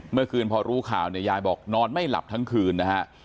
เมื่อคืนพอรู้ข่าวเนี่ยยายบอกนอนไม่หลับทั้งคืนนะฮะ